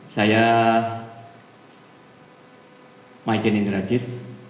saya majen indrajit